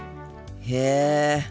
へえ。